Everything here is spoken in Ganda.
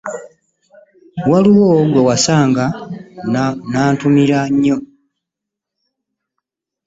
Waliwo gwe wasanga n'antumira nnyo.